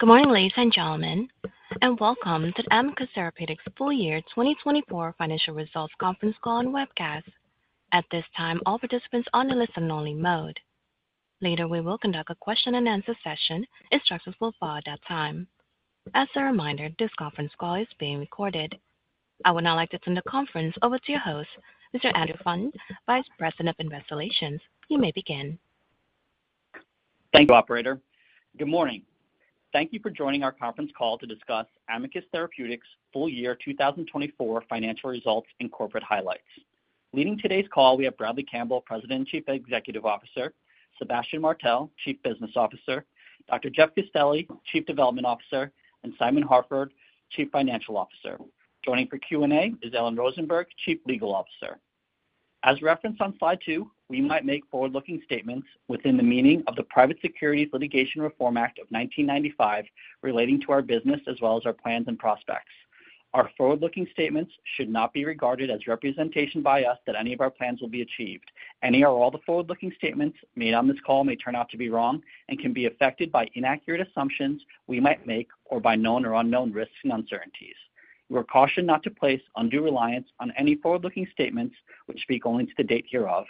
Good morning, ladies and gentlemen, and welcome to the Amicus Therapeutics Full Year 2024 Financial Results Conference Call and webcast. At this time, all participants are on a listen-only mode. Later, we will conduct a question-and-answer session. Instructions will follow at that time. As a reminder, this conference call is being recorded. I would now like to turn the conference over to your host, Mr. Andrew Faughnan, Vice President, Investor Relations. You may begin. Thank you, Operator. Good morning. Thank you for joining our conference call to discuss Amicus Therapeutics Full Year 2024 Financial Results and Corporate Highlights. Leading today's call, we have Bradley Campbell, President and Chief Executive Officer, Sebastien Martel, Chief Business Officer, Dr. Jeff Castelli, Chief Development Officer, and Simon Harford, Chief Financial Officer. Joining for Q&A is Ellen Rosenberg, Chief Legal Officer. As referenced on slide two, we might make forward-looking statements within the meaning of the Private Securities Litigation Reform Act of 1995 relating to our business as well as our plans and prospects. Our forward-looking statements should not be regarded as representation by us that any of our plans will be achieved. Any or all the forward-looking statements made on this call may turn out to be wrong and can be affected by inaccurate assumptions we might make or by known or unknown risks and uncertainties. We are cautioned not to place undue reliance on any forward-looking statements which speak only to the date hereof.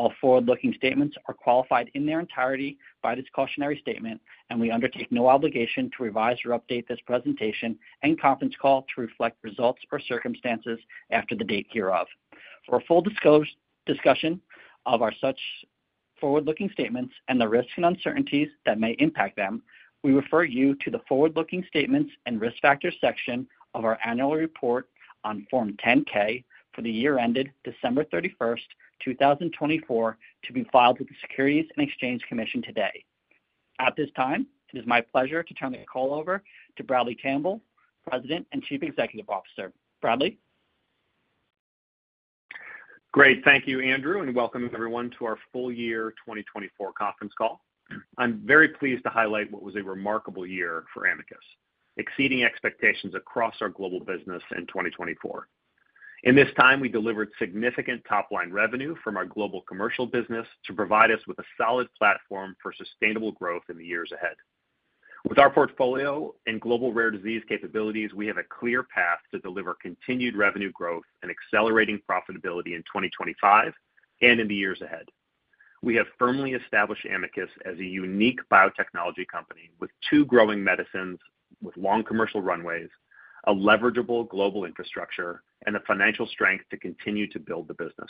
All forward-looking statements are qualified in their entirety by this cautionary statement, and we undertake no obligation to revise or update this presentation and conference call to reflect results or circumstances after the date hereof. For a full discussion of such forward-looking statements and the risks and uncertainties that may impact them, we refer you to the Forward-Looking Statements and Risk Factors section of our annual report on Form 10-K for the year ended December 31st, 2024, to be filed with the Securities and Exchange Commission today. At this time, it is my pleasure to turn the call over to Bradley Campbell, President and Chief Executive Officer. Bradley? Great. Thank you, Andrew, and welcome everyone to our Full Year 2024 Conference Call. I'm very pleased to highlight what was a remarkable year for Amicus, exceeding expectations across our global business in 2024. In this time, we delivered significant top-line revenue from our global commercial business to provide us with a solid platform for sustainable growth in the years ahead. With our portfolio and global rare disease capabilities, we have a clear path to deliver continued revenue growth and accelerating profitability in 2025 and in the years ahead. We have firmly established Amicus as a unique biotechnology company with two growing medicines with long commercial runways, a leverageable global infrastructure, and the financial strength to continue to build the business.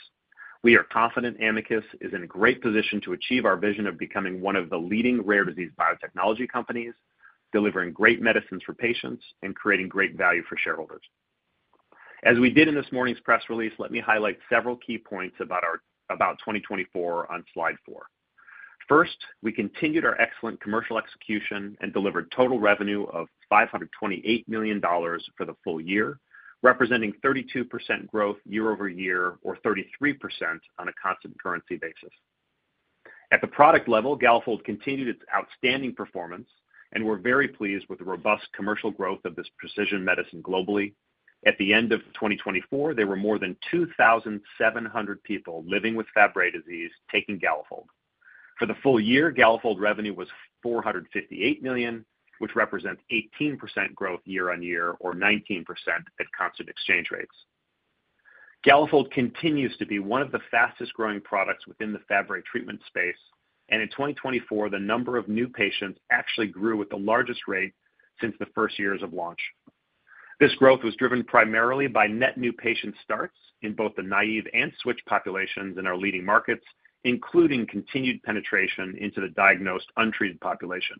We are confident Amicus is in a great position to achieve our vision of becoming one of the leading rare disease biotechnology companies, delivering great medicines for patients and creating great value for shareholders. As we did in this morning's press release, let me highlight several key points about our 2024 on slide four. First, we continued our excellent commercial execution and delivered total revenue of $528 million for the full year, representing 32% growth year over year or 33% on a constant currency basis. At the product level, Galafold continued its outstanding performance and we're very pleased with the robust commercial growth of this precision medicine globally. At the end of 2024, there were more than 2,700 people living with Fabry disease taking Galafold. For the full year, Galafold revenue was $458 million, which represents 18% growth year on year or 19% at constant exchange rates. Galafold continues to be one of the fastest growing products within the Fabry treatment space, and in 2024, the number of new patients actually grew with the largest rate since the first years of launch. This growth was driven primarily by net new patient starts in both the naive and switch populations in our leading markets, including continued penetration into the diagnosed untreated population,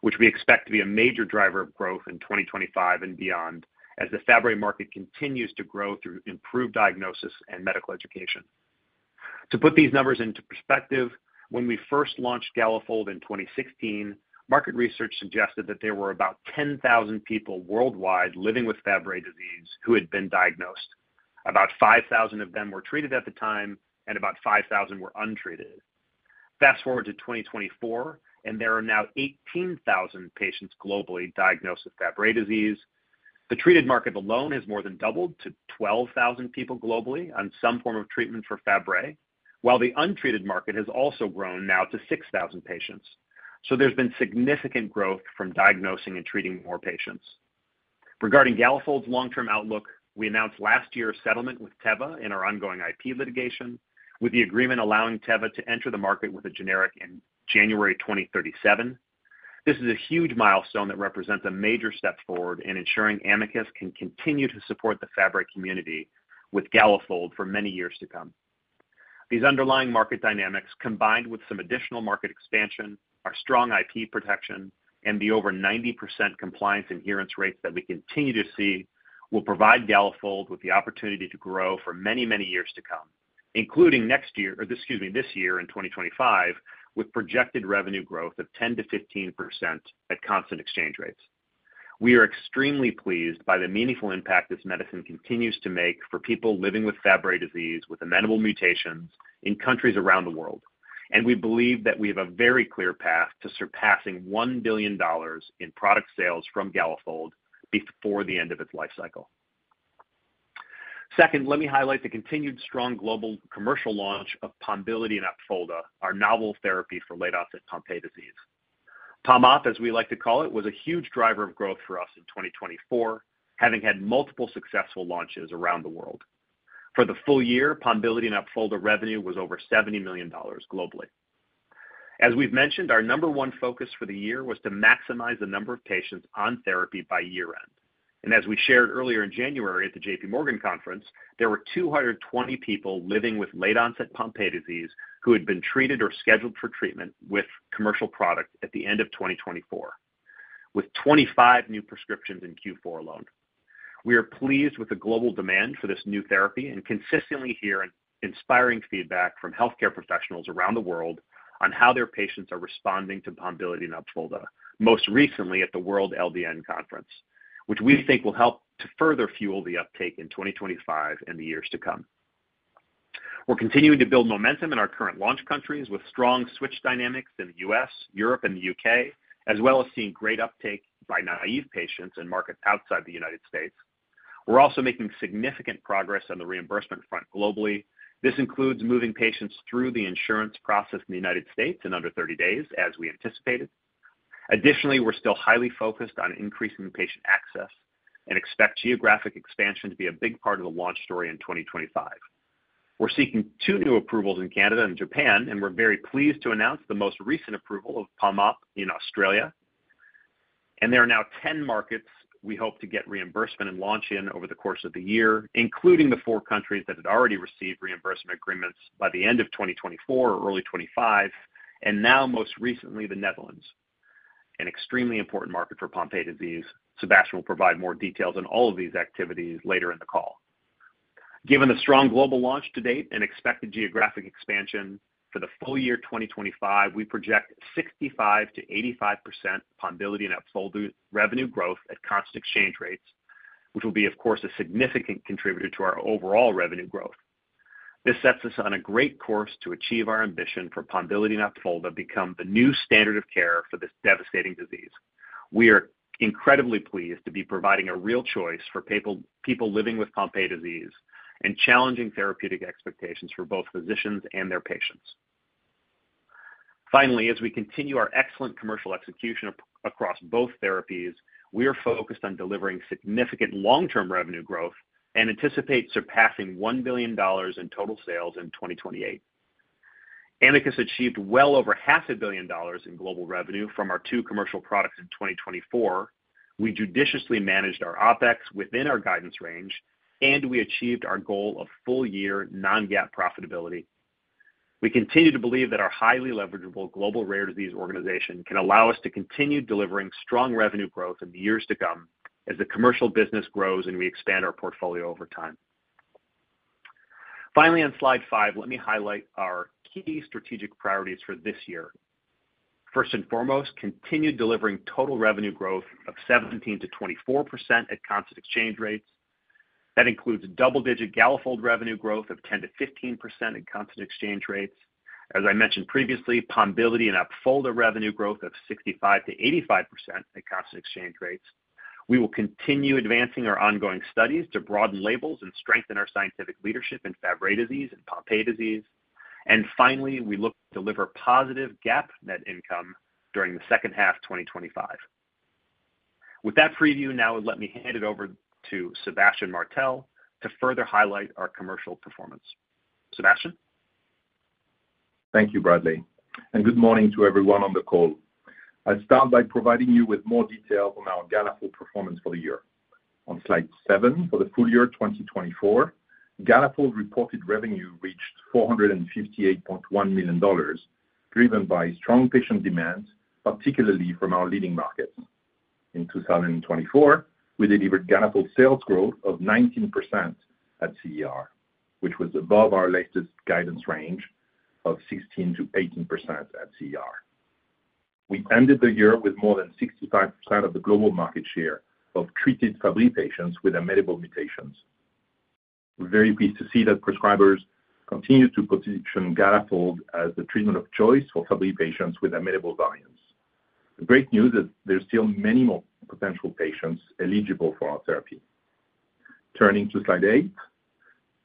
which we expect to be a major driver of growth in 2025 and beyond as the Fabry market continues to grow through improved diagnosis and medical education. To put these numbers into perspective, when we first launched Galafold in 2016, market research suggested that there were about 10,000 people worldwide living with Fabry disease who had been diagnosed. About 5,000 of them were treated at the time, and about 5,000 were untreated. Fast forward to 2024, and there are now 18,000 patients globally diagnosed with Fabry disease. The treated market alone has more than doubled to 12,000 people globally on some form of treatment for Fabry, while the untreated market has also grown now to 6,000 patients. So there's been significant growth from diagnosing and treating more patients. Regarding Galafold's long-term outlook, we announced last year's settlement with Teva in our ongoing IP litigation, with the agreement allowing Teva to enter the market with a generic in January 2037. This is a huge milestone that represents a major step forward in ensuring Amicus can continue to support the Fabry community with Galafold for many years to come. These underlying market dynamics, combined with some additional market expansion, our strong IP protection, and the over 90% compliance adherence rates that we continue to see, will provide Galafold with the opportunity to grow for many, many years to come, including next year or, excuse me, this year in 2025, with projected revenue growth of 10%-15% at constant exchange rates. We are extremely pleased by the meaningful impact this medicine continues to make for people living with Fabry disease with amenable mutations in countries around the world, and we believe that we have a very clear path to surpassing $1 billion in product sales from Galafold before the end of its life cycle. Second, let me highlight the continued strong global commercial launch of Pombiliti and Opfolda, our novel therapy for late-onset Pompe disease. Opfolda, as we like to call it, was a huge driver of growth for us in 2024, having had multiple successful launches around the world. For the full year, Pombiliti and Opfolda revenue was over $70 million globally. As we've mentioned, our number one focus for the year was to maximize the number of patients on therapy by year-end. And as we shared earlier in January at the J.P. Morgan Conference, there were 220 people living with late-onset Pompe disease who had been treated or scheduled for treatment with commercial product at the end of 2024, with 25 new prescriptions in Q4 alone. We are pleased with the global demand for this new therapy and consistently hear inspiring feedback from healthcare professionals around the world on how their patients are responding to Pombiliti and Opfolda, most recently at the WORLD Symposium, which we think will help to further fuel the uptake in 2025 and the years to come. We're continuing to build momentum in our current launch countries with strong switch dynamics in the U.S., Europe, and the U.K., as well as seeing great uptake by naive patients and markets outside the United States. We're also making significant progress on the reimbursement front globally. This includes moving patients through the insurance process in the United States in under 30 days, as we anticipated. Additionally, we're still highly focused on increasing patient access and expect geographic expansion to be a big part of the launch story in 2025. We're seeking two new approvals in Canada and Japan, and we're very pleased to announce the most recent approval of Pombiliti and Opfolda in Australia, and there are now 10 markets we hope to get reimbursement and launch in over the course of the year, including the four countries that had already received reimbursement agreements by the end of 2024 or early 2025, and now most recently the Netherlands, an extremely important market for Pompe disease. Sébastien will provide more details on all of these activities later in the call. Given the strong global launch to date and expected geographic expansion for the full year 2025, we project 65%-85% Pombiliti and Opfolda revenue growth at constant exchange rates, which will be, of course, a significant contributor to our overall revenue growth. This sets us on a great course to achieve our ambition for Pombiliti and Opfolda to become the new standard of care for this devastating disease. We are incredibly pleased to be providing a real choice for people living with Pompe disease and challenging therapeutic expectations for both physicians and their patients. Finally, as we continue our excellent commercial execution across both therapies, we are focused on delivering significant long-term revenue growth and anticipate surpassing $1 billion in total sales in 2028. Amicus achieved well over $500 million in global revenue from our two commercial products in 2024. We judiciously managed our OpEx within our guidance range, and we achieved our goal of full-year non-GAAP profitability. We continue to believe that our highly leverageable global rare disease organization can allow us to continue delivering strong revenue growth in the years to come as the commercial business grows and we expand our portfolio over time. Finally, on slide five, let me highlight our key strategic priorities for this year. First and foremost, continue delivering total revenue growth of 17%-24% at constant exchange rates. That includes double-digit Galafold revenue growth of 10%-15% at constant exchange rates. As I mentioned previously, Pombiliti and Opfolda revenue growth of 65%-85% at constant exchange rates. We will continue advancing our ongoing studies to broaden labels and strengthen our scientific leadership in Fabry disease and Pompe disease. And finally, we look to deliver positive GAAP net income during the second half of 2025. With that preview now, let me hand it over to Sebastian Martel to further highlight our commercial performance. Sebastian? Thank you, Bradley. Good morning to everyone on the call. I'll start by providing you with more detail on our Galafold performance for the year. On slide seven for the full year 2024, Galafold reported revenue reached $458.1 million, driven by strong patient demand, particularly from our leading markets. In 2024, we delivered Galafold sales growth of 19% at CER, which was above our latest guidance range of 16%-18% at CER. We ended the year with more than 65% of the global market share of treated Fabry patients with amenable mutations. We're very pleased to see that prescribers continue to position Galafold as the treatment of choice for Fabry patients with amenable variants. The great news is there are still many more potential patients eligible for our therapy. Turning to slide eight,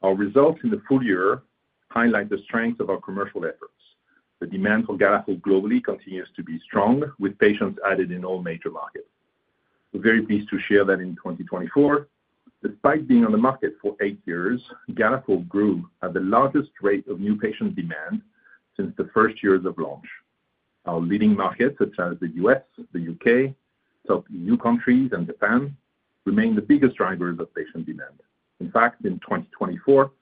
our results in the full year highlight the strength of our commercial efforts. The demand for Galafold globally continues to be strong, with patients added in all major markets. We're very pleased to share that in 2024, despite being on the market for eight years, Galafold grew at the largest rate of new patient demand since the first years of launch. Our leading markets, such as the US, the UK, top new countries, and Japan, remain the biggest drivers of patient demand. In fact, in 2024,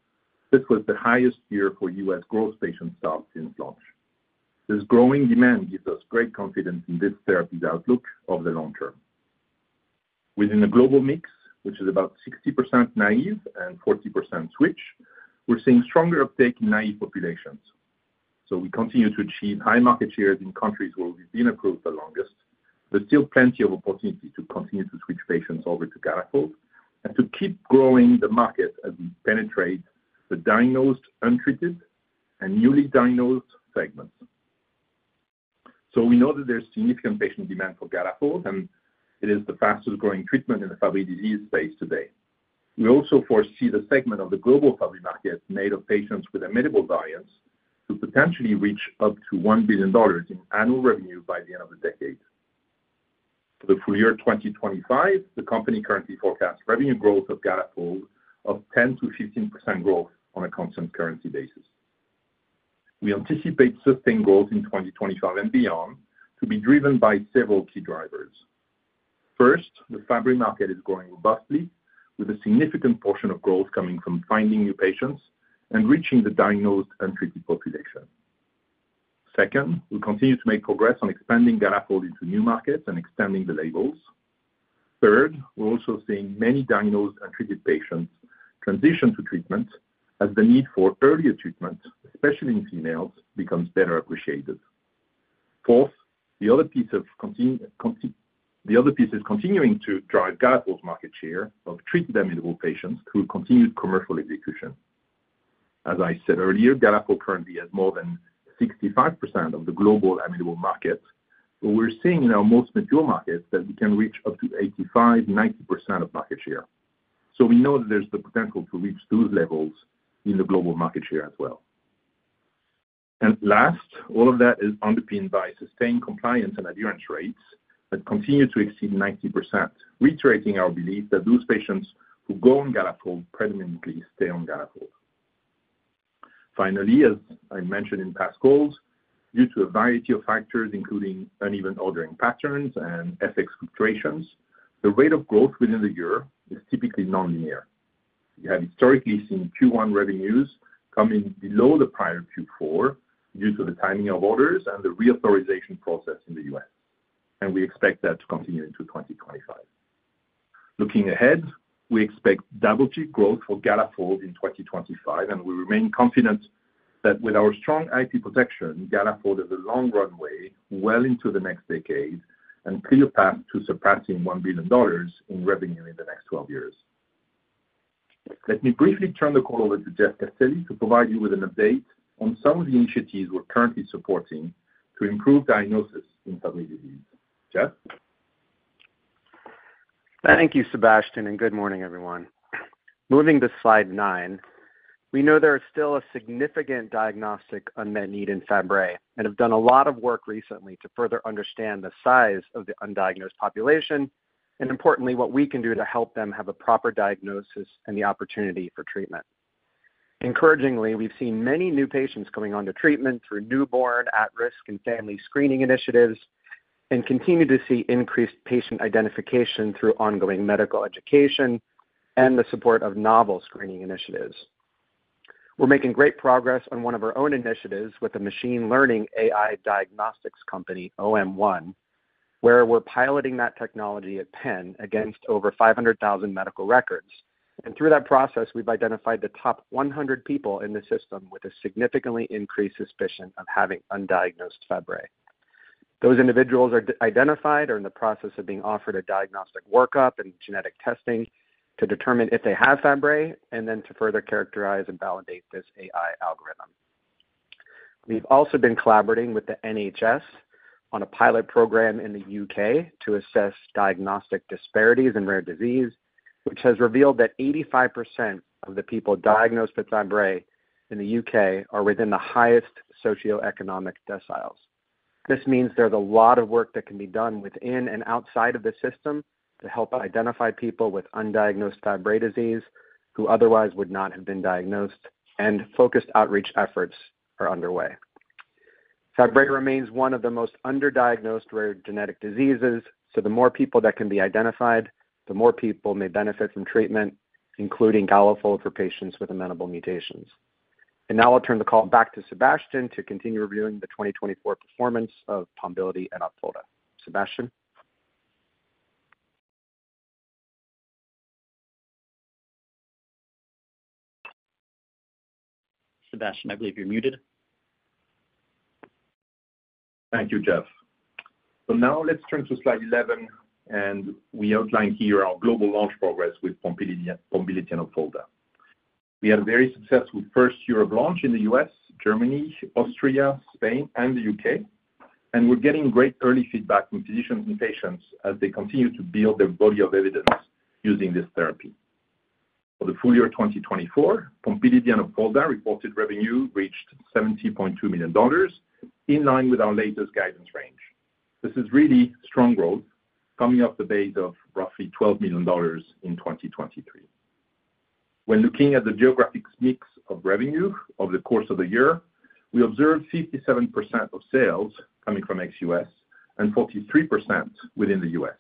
this was the highest year for US gross patient starts since launch. This growing demand gives us great confidence in this therapy's outlook over the long term. Within the global mix, which is about 60% naive and 40% switch, we're seeing stronger uptake in naive populations. We continue to achieve high market shares in countries where we've been approved the longest, but still plenty of opportunity to continue to switch patients over to Galafold and to keep growing the market as we penetrate the diagnosed, untreated, and newly diagnosed segments. We know that there's significant patient demand for Galafold, and it is the fastest growing treatment in the Fabry disease space today. We also foresee the segment of the global Fabry market made of patients with amenable variants to potentially reach up to $1 billion in annual revenue by the end of the decade. For the full year 2025, the company currently forecasts revenue growth of Galafold of 10%-15% growth on a constant currency basis. We anticipate sustained growth in 2025 and beyond to be driven by several key drivers. First, the Fabry market is growing robustly, with a significant portion of growth coming from finding new patients and reaching the diagnosed, untreated population. Second, we'll continue to make progress on expanding Galafold into new markets and extending the labels. Third, we're also seeing many diagnosed, untreated patients transition to treatment as the need for earlier treatment, especially in females, becomes better appreciated. Fourth, the other piece of continuing to drive Galafold's market share of treated amenable patients through continued commercial execution. As I said earlier, Galafold currently has more than 65% of the global amenable market, but we're seeing in our most mature markets that we can reach up to 85%-90% of market share. So we know that there's the potential to reach those levels in the global market share as well. Last, all of that is underpinned by sustained compliance and adherence rates that continue to exceed 90%, reiterating our belief that those patients who go on Galafold predominantly stay on Galafold. Finally, as I mentioned in past calls, due to a variety of factors, including uneven ordering patterns and FX fluctuations, the rate of growth within the year is typically non-linear. We have historically seen Q1 revenues coming below the prior Q4 due to the timing of orders and the reauthorization process in the U.S., and we expect that to continue into 2025. Looking ahead, we expect double-digit growth for Galafold in 2025, and we remain confident that with our strong IP protection, Galafold has a long runway well into the next decade and clear path to surpassing $1 billion in revenue in the next 12 years. Let me briefly turn the call over to Jeff Castelli to provide you with an update on some of the initiatives we're currently supporting to improve diagnosis in Fabry disease. Jeff? Thank you, Sebastian, and good morning, everyone. Moving to slide nine, we know there is still a significant diagnostic unmet need in Fabry and have done a lot of work recently to further understand the size of the undiagnosed population and, importantly, what we can do to help them have a proper diagnosis and the opportunity for treatment. Encouragingly, we've seen many new patients coming onto treatment through newborn, at-risk, and family screening initiatives and continue to see increased patient identification through ongoing medical education and the support of novel screening initiatives. We're making great progress on one of our own initiatives with a machine learning AI diagnostics company, OM1, where we're piloting that technology at Penn against over 500,000 medical records, and through that process, we've identified the top 100 people in the system with a significantly increased suspicion of having undiagnosed Fabry. Those individuals are identified or in the process of being offered a diagnostic workup and genetic testing to determine if they have Fabry and then to further characterize and validate this AI algorithm. We've also been collaborating with the NHS on a pilot program in the UK to assess diagnostic disparities in rare disease, which has revealed that 85% of the people diagnosed with Fabry in the UK are within the highest socioeconomic deciles. This means there's a lot of work that can be done within and outside of the system to help identify people with undiagnosed Fabry disease who otherwise would not have been diagnosed, and focused outreach efforts are underway. Fabry remains one of the most underdiagnosed rare genetic diseases, so the more people that can be identified, the more people may benefit from treatment, including Galafold for patients with amenable mutations. And now I'll turn the call back to Sebastian to continue reviewing the 2024 performance of Pombiliti and Opfolda. Sebastian? Sebastian, I believe you're muted. Thank you, Jeff. So now let's turn to slide 11, and we outline here our global launch progress with Pombiliti and Opfolda. We had a very successful first year of launch in the US, Germany, Austria, Spain, and the UK, and we're getting great early feedback from physicians and patients as they continue to build their body of evidence using this therapy. For the full year 2024, Pombiliti and Opfolda reported revenue reached $70.2 million in line with our latest guidance range. This is really strong growth, coming off the base of roughly $12 million in 2023. When looking at the geographic mix of revenue over the course of the year, we observed 57% of sales coming from ex-US and 43% within the US.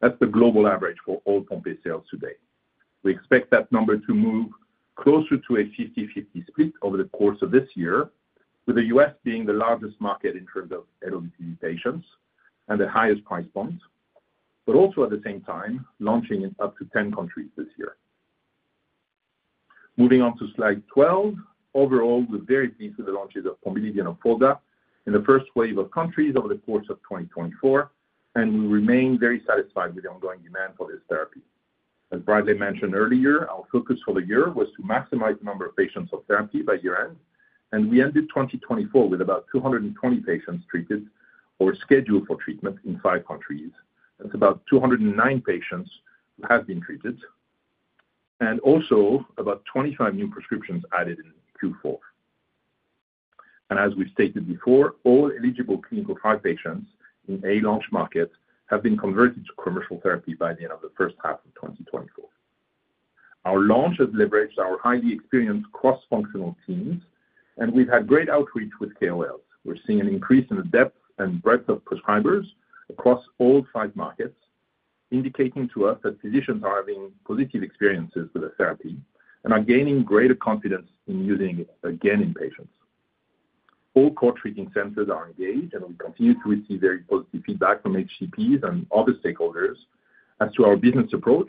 That's the global average for all Pompe sales today. We expect that number to move closer to a 50/50 split over the course of this year, with the U.S. being the largest market in terms of eligibility patients and the highest price point, but also at the same time launching in up to 10 countries this year. Moving on to slide 12, overall, we're very pleased with the launches of Pombiliti and Opfolda in the first wave of countries over the course of 2024, and we remain very satisfied with the ongoing demand for this therapy. As Bradley mentioned earlier, our focus for the year was to maximize the number of patients of therapy by year-end, and we ended 2024 with about 220 patients treated or scheduled for treatment in five countries. That's about 209 patients who have been treated and also about 25 new prescriptions added in Q4. As we've stated before, all eligible clinical trial patients in a launch market have been converted to commercial therapy by the end of the first half of 2024. Our launch has leveraged our highly experienced cross-functional teams, and we've had great outreach with KOLs. We're seeing an increase in the depth and breadth of prescribers across all five markets, indicating to us that physicians are having positive experiences with the therapy and are gaining greater confidence in using it again in patients. All core treating centers are engaged, and we continue to receive very positive feedback from HCPs and other stakeholders as to our business approach,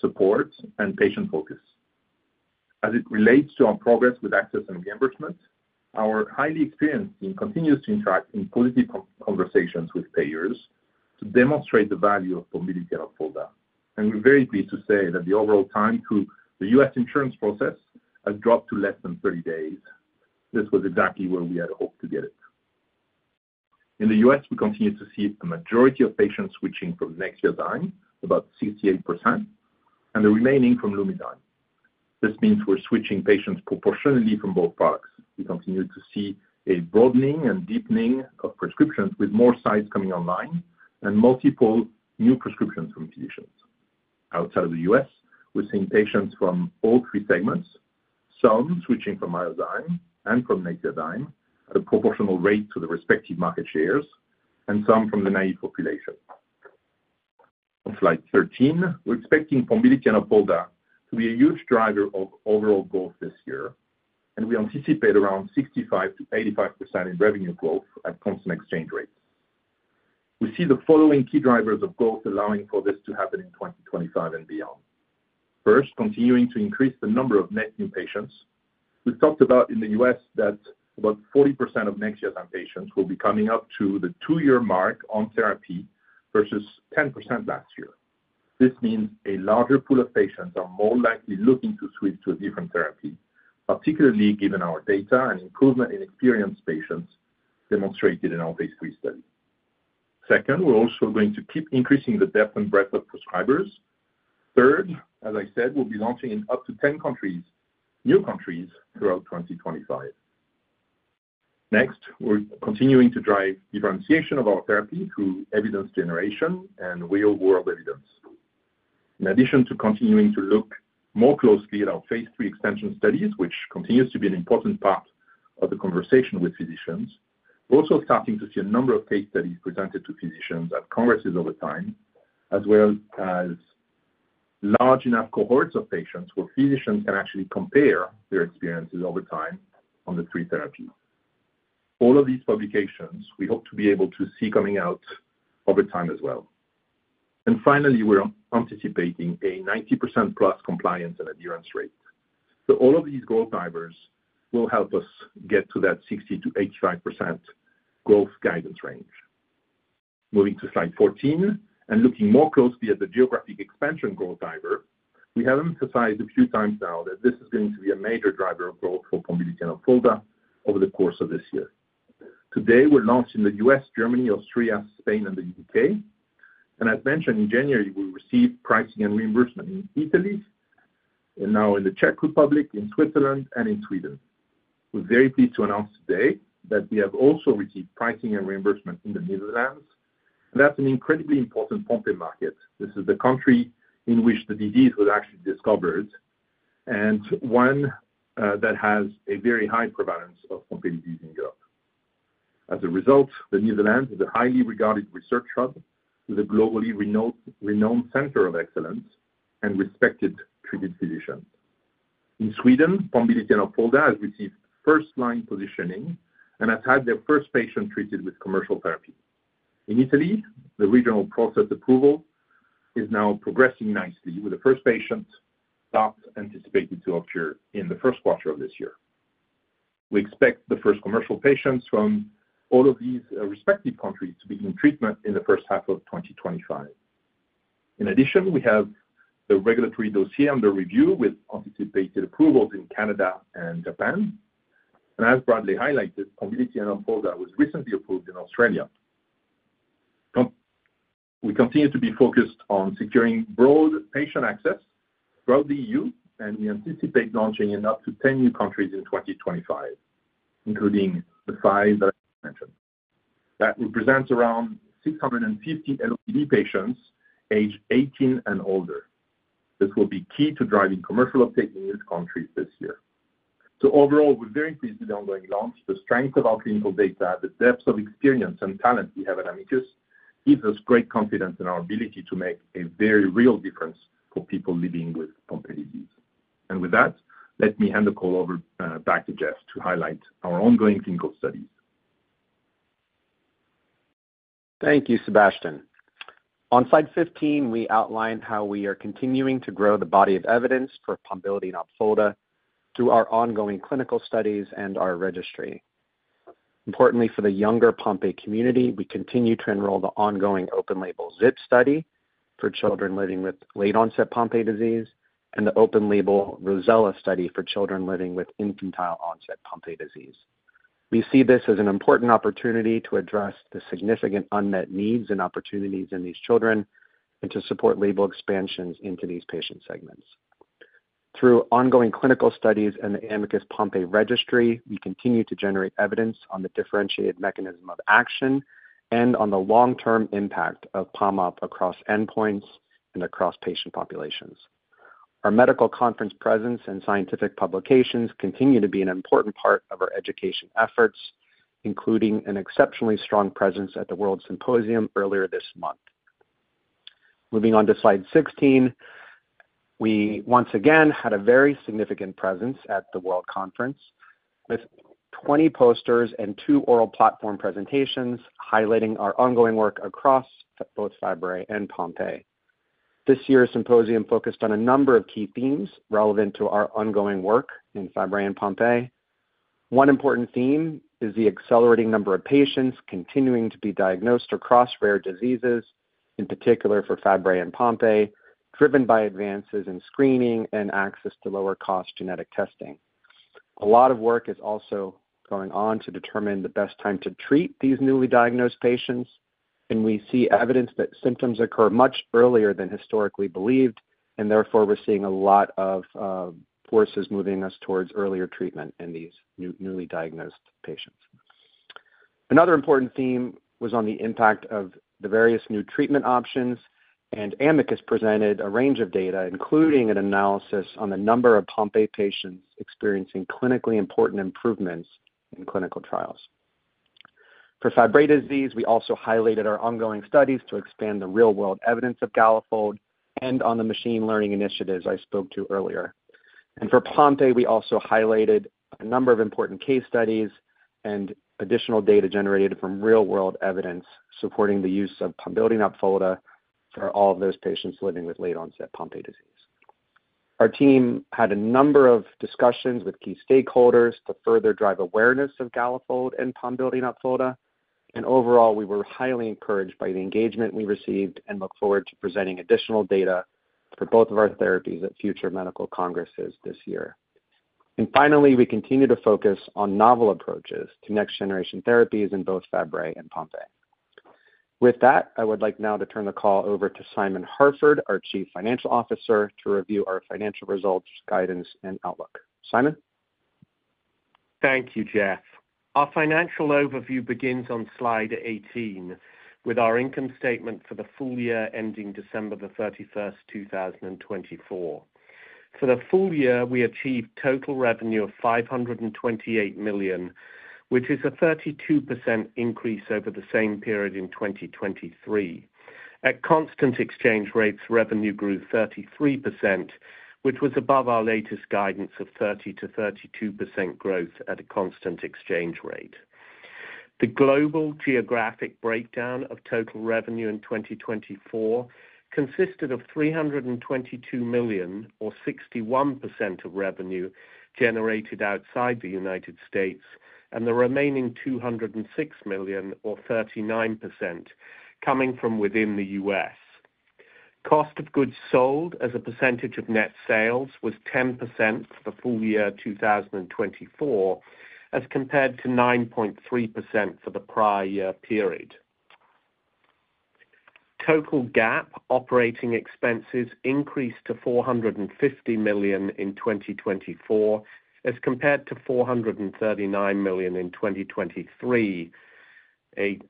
support, and patient focus. As it relates to our progress with access and reimbursement, our highly experienced team continues to interact in positive conversations with payers to demonstrate the value of Pombiliti and Opfolda. We're very pleased to say that the overall time through the U.S. insurance process has dropped to less than 30 days. This was exactly where we had hoped to get it. In the U.S., we continue to see a majority of patients switching from Nexviazyme, about 68%, and the remaining from Lumizyme. This means we're switching patients proportionately from both products. We continue to see a broadening and deepening of prescriptions with more sites coming online and multiple new prescriptions from physicians. Outside of the U.S., we're seeing patients from all three segments, some switching from Myozyme and from Nexviazyme at a proportional rate to the respective market shares, and some from the naive population. On slide 13, we're expecting Pombiliti and Opfolda to be a huge driver of overall growth this year, and we anticipate around 65%-85% in revenue growth at constant exchange rates. We see the following key drivers of growth allowing for this to happen in 2025 and beyond. First, continuing to increase the number of net new patients. We've talked about in the U.S. that about 40% of Nexviazyme patients will be coming up to the two-year mark on therapy versus 10% last year. This means a larger pool of patients are more likely looking to switch to a different therapy, particularly given our data and improvement in experienced patients demonstrated in our phase 3 study. Second, we're also going to keep increasing the depth and breadth of prescribers. Third, as I said, we'll be launching in up to 10 new countries throughout 2025. Next, we're continuing to drive differentiation of our therapy through evidence generation and real-world evidence. In addition to continuing to look more closely at our phase 3 extension studies, which continues to be an important part of the conversation with physicians, we're also starting to see a number of case studies presented to physicians at congresses over time, as well as large enough cohorts of patients where physicians can actually compare their experiences over time on the three therapies. All of these publications, we hope to be able to see coming out over time as well. And finally, we're anticipating a 90% plus compliance and adherence rate. So all of these growth drivers will help us get to that 60%-85% growth guidance range. Moving to slide 14 and looking more closely at the geographic expansion growth driver, we have emphasized a few times now that this is going to be a major driver of growth for Pombiliti and Opfolda over the course of this year. Today, we're launched in the US, Germany, Austria, Spain, and the UK. And as mentioned, in January, we received pricing and reimbursement in Italy, and now in the Czech Republic, in Switzerland, and in Sweden. We're very pleased to announce today that we have also received pricing and reimbursement in the Netherlands. That's an incredibly important Pompe market. This is the country in which the disease was actually discovered and one that has a very high prevalence of Pompe disease in Europe. As a result, the Netherlands is a highly regarded research hub with a globally renowned center of excellence and respected treating physicians. In Sweden, Pombiliti and Opfolda have received first-line positioning and have had their first patient treated with commercial therapy. In Italy, the regional process approval is now progressing nicely with the first patient start anticipated to occur in the first quarter of this year. We expect the first commercial patients from all of these respective countries to begin treatment in the first half of 2025. In addition, we have the regulatory dossier under review with anticipated approvals in Canada and Japan. And as Bradley highlighted, Pombiliti and Opfolda was recently approved in Australia. We continue to be focused on securing broad patient access throughout the EU, and we anticipate launching in up to 10 new countries in 2025, including the five that I mentioned. That represents around 650 eligible patients aged 18 and older. This will be key to driving commercial uptake in these countries this year. So overall, we're very pleased with the ongoing launch. The strength of our clinical data, the depth of experience and talent we have at Amicus gives us great confidence in our ability to make a very real difference for people living with Pompe disease. And with that, let me hand the call over back to Jeff to highlight our ongoing clinical studies. Thank you, Sebastian. On slide 15, we outlined how we are continuing to grow the body of evidence for Pombiliti and Opfolda through our ongoing clinical studies and our registry. Importantly, for the younger Pompe community, we continue to enroll the ongoing open-label ZIP study for children living with late-onset Pompe disease and the open-label ROSSELLA study for children living with infantile-onset Pompe disease. We see this as an important opportunity to address the significant unmet needs and opportunities in these children and to support label expansions into these patient segments. Through ongoing clinical studies and the Amicus Pompe Registry, we continue to generate evidence on the differentiated mechanism of action and on the long-term impact of Pom-Op across endpoints and across patient populations. Our medical conference presence and scientific publications continue to be an important part of our education efforts, including an exceptionally strong presence at the WORLD Symposium earlier this month. Moving on to slide 16, we once again had a very significant presence at the World Conference with 20 posters and two oral platform presentations highlighting our ongoing work across both Fabry and Pompe. This year's symposium focused on a number of key themes relevant to our ongoing work in Fabry and Pompe. One important theme is the accelerating number of patients continuing to be diagnosed across rare diseases, in particular for Fabry and Pompe, driven by advances in screening and access to lower-cost genetic testing. A lot of work is also going on to determine the best time to treat these newly diagnosed patients, and we see evidence that symptoms occur much earlier than historically believed, and therefore we're seeing a lot of forces moving us towards earlier treatment in these newly diagnosed patients. Another important theme was on the impact of the various new treatment options, and Amicus presented a range of data, including an analysis on the number of Pompe patients experiencing clinically important improvements in clinical trials. For Fabry disease, we also highlighted our ongoing studies to expand the real-world evidence of Galafold and on the machine learning initiatives I spoke to earlier, and for Pompe, we also highlighted a number of important case studies and additional data generated from real-world evidence supporting the use of Pombiliti and Opfolda for all of those patients living with late-onset Pompe disease. Our team had a number of discussions with key stakeholders to further drive awareness of Galafold and Pombiliti and Opfolda, and overall, we were highly encouraged by the engagement we received and look forward to presenting additional data for both of our therapies at future medical congresses this year. And finally, we continue to focus on novel approaches to next-generation therapies in both Fabry and Pompe. With that, I would like now to turn the call over to Simon Harford, our Chief Financial Officer, to review our financial results, guidance, and outlook. Simon? Thank you, Jeff. Our financial overview begins on slide 18 with our income statement for the full year ending December the 31st, 2024. For the full year, we achieved total revenue of $528 million, which is a 32% increase over the same period in 2023. At constant exchange rates, revenue grew 33%, which was above our latest guidance of 30%-32% growth at a constant exchange rate. The global geographic breakdown of total revenue in 2024 consisted of $322 million, or 61% of revenue generated outside the United States, and the remaining $206 million, or 39%, coming from within the U.S. Cost of goods sold as a percentage of net sales was 10% for the full year 2024, as compared to 9.3% for the prior year period. Total GAAP operating expenses increased to $450 million in 2024, as compared to $439 million in 2023, an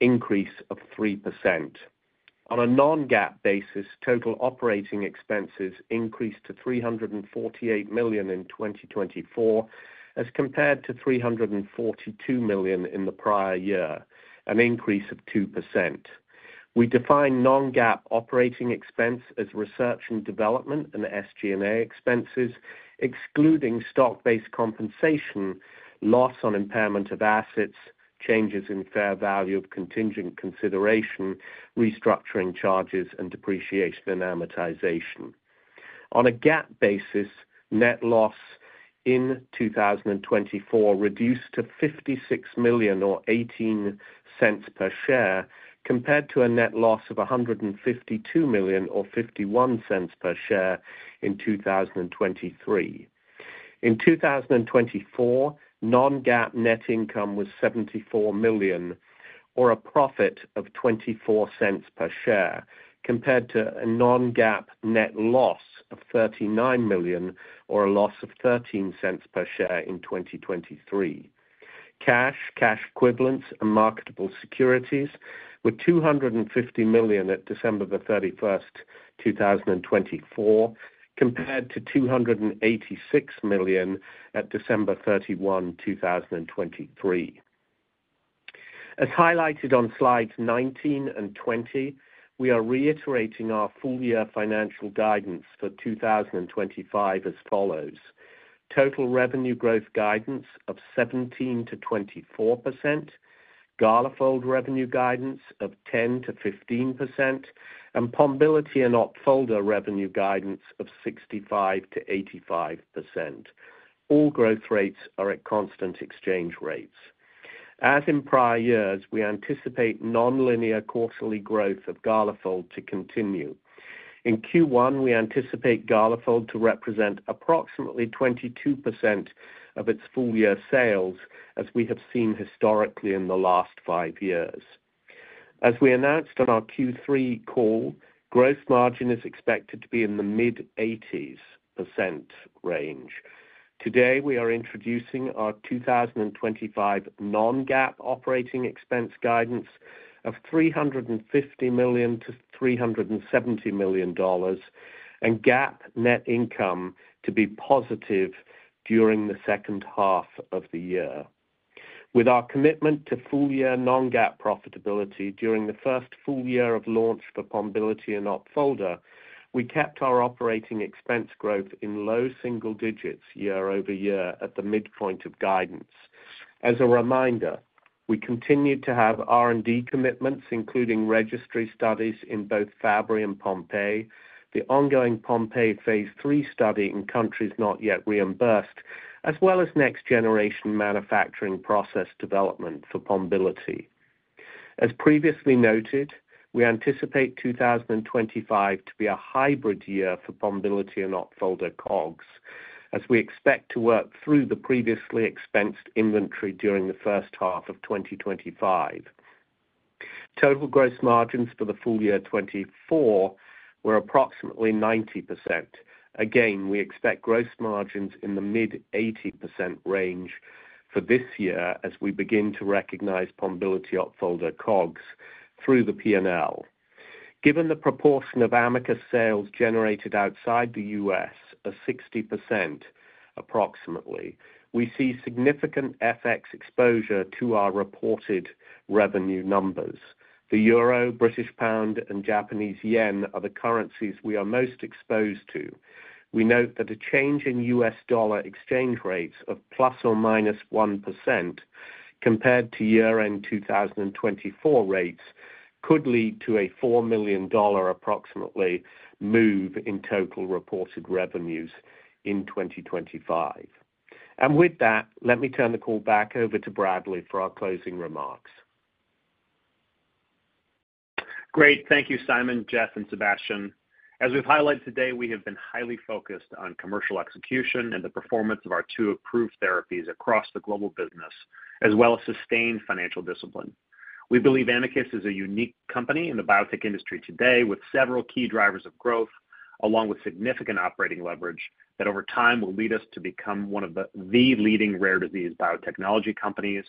increase of 3%. On a non-GAAP basis, total operating expenses increased to $348 million in 2024, as compared to $342 million in the prior year, an increase of 2%. We define non-GAAP operating expense as research and development and SG&A expenses, excluding stock-based compensation, loss on impairment of assets, changes in fair value of contingent consideration, restructuring charges, and depreciation and amortization. On a GAAP basis, net loss in 2024 reduced to $56 million, or $0.18 per share, compared to a net loss of $152 million, or $0.51 per share in 2023. In 2024, non-GAAP net income was $74 million, or a profit of $0.24 per share, compared to a non-GAAP net loss of $39 million, or a loss of $0.13 per share in 2023. Cash, cash equivalents, and marketable securities were $250 million at December 31st, 2024, compared to $286 million at December 31, 2023. As highlighted on slides 19 and 20, we are reiterating our full-year financial guidance for 2025 as follows: total revenue growth guidance of 17%-24%, Galafold revenue guidance of 10%-15%, and Pombiliti and Opfolda revenue guidance of 65%-85%. All growth rates are at constant exchange rates. As in prior years, we anticipate non-linear quarterly growth of Galafold to continue. In Q1, we anticipate Galafold to represent approximately 22% of its full-year sales, as we have seen historically in the last five years. As we announced on our Q3 call, gross margin is expected to be in the mid-80% range. Today, we are introducing our 2025 non-GAAP operating expense guidance of $350 million-$370 million and GAAP net income to be positive during the second half of the year. With our commitment to full-year non-GAAP profitability during the first full year of launch for Pombiliti and Opfolda, we kept our operating expense growth in low single digits year over year at the midpoint of guidance. As a reminder, we continued to have R&D commitments, including registry studies in both Fabry and Pompe, the ongoing Pompe phase 3 study in countries not yet reimbursed, as well as next-generation manufacturing process development for Pombiliti. As previously noted, we anticipate 2025 to be a hybrid year for Pombiliti and Opfolda COGS, as we expect to work through the previously expensed inventory during the first half of 2025. Total gross margins for the full year 2024 were approximately 90%. Again, we expect gross margins in the mid-80% range for this year as we begin to recognize Pombiliti and Opfolda COGS through the P&L. Given the proportion of Amicus sales generated outside the US of 60%, approximately, we see significant FX exposure to our reported revenue numbers. The euro, British pound, and Japanese yen are the currencies we are most exposed to. We note that a change in US dollar exchange rates of plus or minus 1% compared to year-end 2024 rates could lead to a $4 million, approximately, move in total reported revenues in 2025. And with that, let me turn the call back over to Bradley for our closing remarks. Great. Thank you, Simon, Jeff, and Sebastian. As we've highlighted today, we have been highly focused on commercial execution and the performance of our two approved therapies across the global business, as well as sustained financial discipline. We believe Amicus is a unique company in the biotech industry today with several key drivers of growth, along with significant operating leverage that over time will lead us to become one of the leading rare disease biotechnology companies.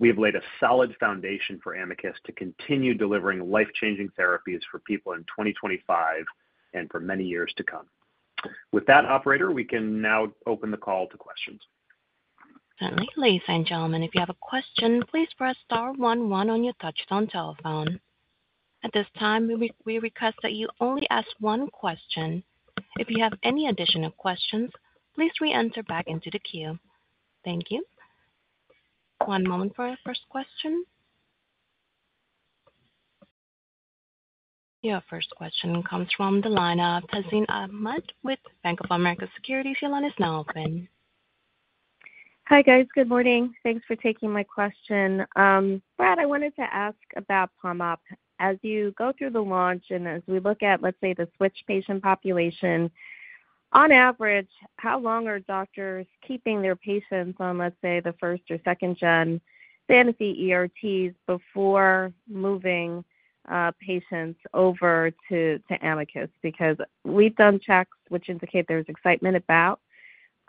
We have laid a solid foundation for Amicus to continue delivering life-changing therapies for people in 2025 and for many years to come. With that, operator, we can now open the call to questions. All right, ladies and gentlemen, if you have a question, please press star one one on your touch-tone telephone. At this time, we request that you only ask one question. If you have any additional questions, please re-enter back into the queue. Thank you. One moment for our first question. Your first question comes from the line of Tazeen Ahmad with Bank of America Securities. Your line is now open. Hi, guys. Good morning. Thanks for taking my question. Brad, I wanted to ask about Pompe. As you go through the launch and as we look at, let's say, the switch patient population, on average, how long are doctors keeping their patients on, let's say, the first or second-gen Sanofi ERTs before moving patients over to Amicus? Because we've done checks, which indicate there's excitement about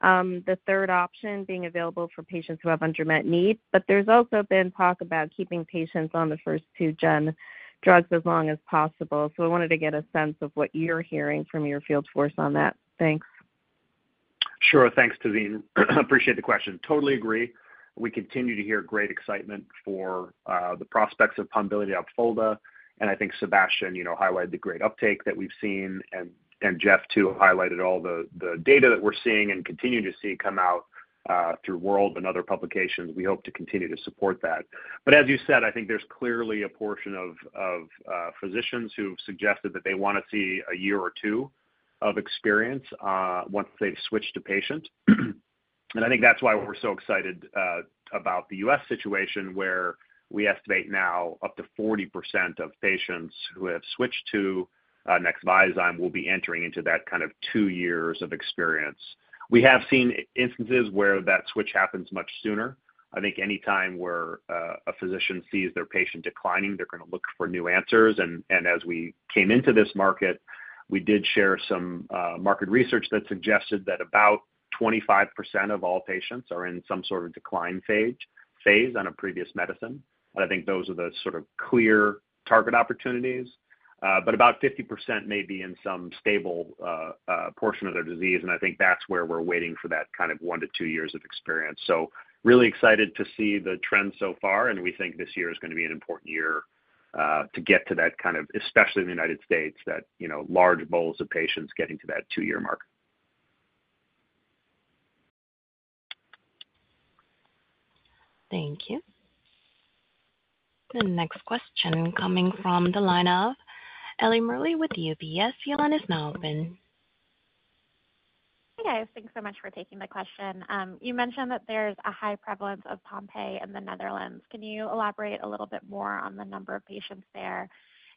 the third option being available for patients who have intermittent need, but there's also been talk about keeping patients on the first two-gen drugs as long as possible. So I wanted to get a sense of what you're hearing from your field force on that. Thanks. Sure. Thanks, Tazeen. Appreciate the question. Totally agree. We continue to hear great excitement for the prospects of Pombiliti and Opfolda. And I think Sebastian highlighted the great uptake that we've seen, and Jeff, too, highlighted all the data that we're seeing and continue to see come out through WORLD Symposium and other publications. We hope to continue to support that. But as you said, I think there's clearly a portion of physicians who have suggested that they want to see a year or two of experience once they've switched to patients. And I think that's why we're so excited about the U.S. situation, where we estimate now up to 40% of patients who have switched to Nexviazyme will be entering into that kind of two years of experience. We have seen instances where that switch happens much sooner. I think anytime where a physician sees their patient declining, they're going to look for new answers. And as we came into this market, we did share some market research that suggested that about 25% of all patients are in some sort of decline phase on a previous medicine. And I think those are the sort of clear target opportunities. But about 50% may be in some stable portion of their disease. And I think that's where we're waiting for that kind of one to two years of experience. So really excited to see the trend so far. And we think this year is going to be an important year to get to that kind of, especially in the United States, that large pool of patients getting to that two-year mark. Thank you. The next question coming from Eliana. Eliana Merle with UBS. Your line is now open. Hi, guys. Thanks so much for taking the question. You mentioned that there's a high prevalence of Pompe in the Netherlands. Can you elaborate a little bit more on the number of patients there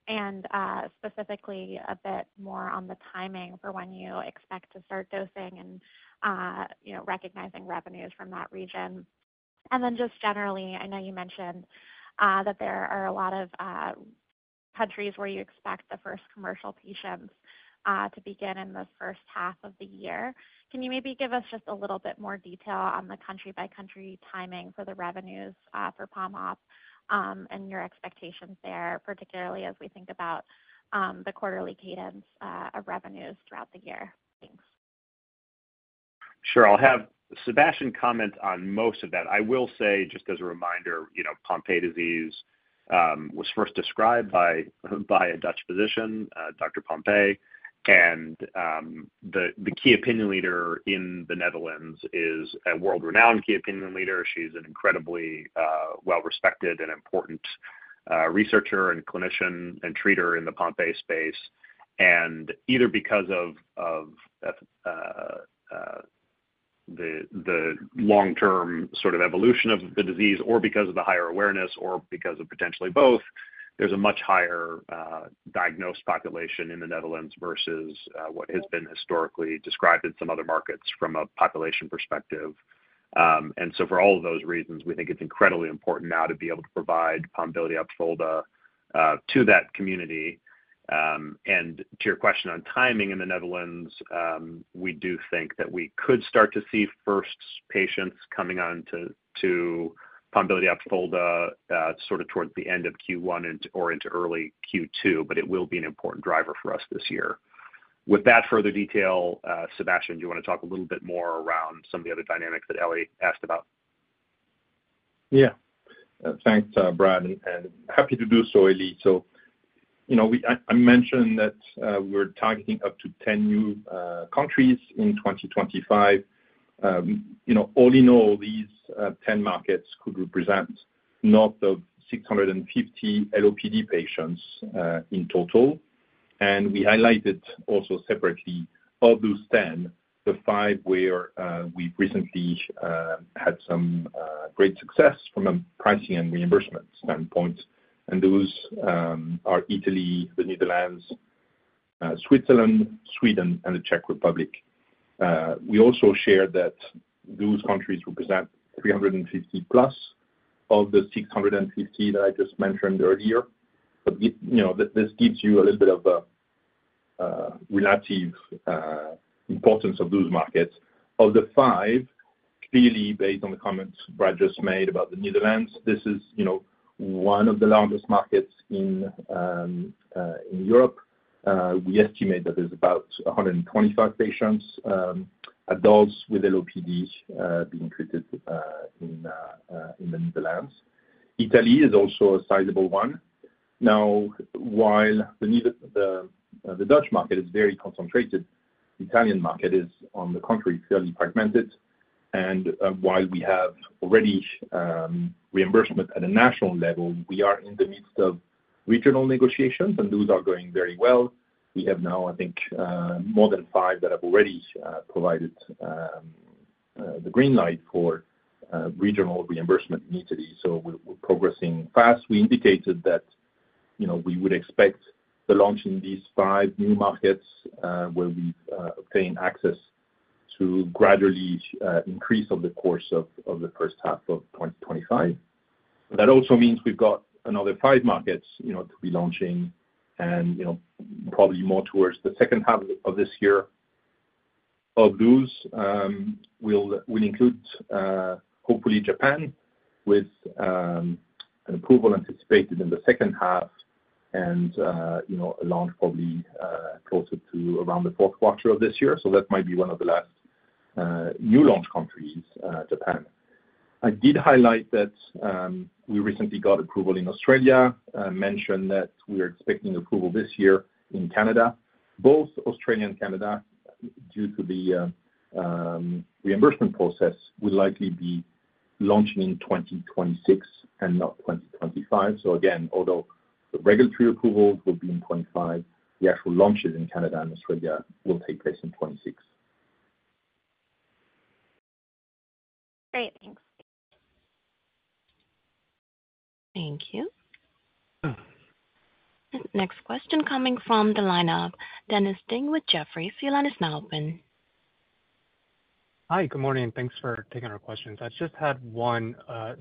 and specifically a bit more on the timing for when you expect to start dosing and recognizing revenues from that region? And then just generally, I know you mentioned that there are a lot of countries where you expect the first commercial patients to begin in the first half of the year. Can you maybe give us just a little bit more detail on the country-by-country timing for the revenues for Pombiliti and Opfolda and your expectations there, particularly as we think about the quarterly cadence of revenues throughout the year? Thanks. Sure. I'll have Sébastien comment on most of that. I will say, just as a reminder, Pompe disease was first described by a Dutch physician, Dr. Pompe, and the key opinion leader in the Netherlands is a world-renowned key opinion leader. She's an incredibly well-respected and important researcher and clinician and treater in the Pompe space, and either because of the long-term sort of evolution of the disease or because of the higher awareness or because of potentially both, there's a much higher diagnosed population in the Netherlands versus what has been historically described in some other markets from a population perspective, and so for all of those reasons, we think it's incredibly important now to be able to provide Pombiliti and Opfolda to that community. To your question on timing in the Netherlands, we do think that we could start to see first patients coming on to Pombiliti and Opfolda sort of towards the end of Q1 or into early Q2, but it will be an important driver for us this year. With that further detail, Sébastien, do you want to talk a little bit more around some of the other dynamics that Eliana asked about? Yeah. Thanks, Brad. And happy to do so, Eliana. So I mentioned that we're targeting up to 10 new countries in 2025. All in all, these 10 markets could represent north of 650 LOPD patients in total. And we highlighted also separately of those 10, the five where we've recently had some great success from a pricing and reimbursement standpoint. And those are Italy, the Netherlands, Switzerland, Sweden, and the Czech Republic. We also shared that those countries represent 350 plus of the 650 that I just mentioned earlier. But this gives you a little bit of a relative importance of those markets. Of the five, clearly, based on the comments Brad just made about the Netherlands, this is one of the largest markets in Europe. We estimate that there's about 125 patients, adults with LOPD being treated in the Netherlands. Italy is also a sizable one. Now, while the Dutch market is very concentrated, the Italian market is, on the contrary, fairly fragmented. And while we have already reimbursement at a national level, we are in the midst of regional negotiations, and those are going very well. We have now, I think, more than five that have already provided the green light for regional reimbursement in Italy. So we're progressing fast. We indicated that we would expect the launch in these five new markets where we've obtained access to gradually increase over the course of the first half of 2025. That also means we've got another five markets to be launching and probably more towards the second half of this year. Of those, we'll include hopefully Japan with an approval anticipated in the second half and a launch probably closer to around the fourth quarter of this year. So that might be one of the last new launch countries, Japan. I did highlight that we recently got approval in Australia, mentioned that we're expecting approval this year in Canada. Both Australia and Canada, due to the reimbursement process, will likely be launching in 2026 and not 2025. So again, although the regulatory approvals will be in 2025, the actual launches in Canada and Australia will take place in 2026. Great. Thanks. Thank you. Next question coming from the line of Dennis Ding with Jefferies. Your line is now open. Hi, good morning. Thanks for taking our questions. I just had one